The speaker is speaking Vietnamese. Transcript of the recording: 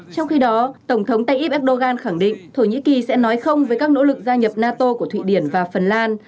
trong khi đó tổng thống tayyip erdogan khẳng định thổ nhĩ kỳ sẽ nói không với các nỗ lực gia nhập nato của thụy điển và phần lan